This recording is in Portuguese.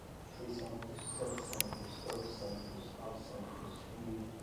seiscentos, setecentos, oitocentos, novecentos, mil.